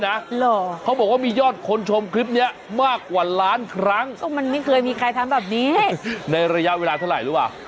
ในระยะเวลาเท่าไหร่หรือเปล่า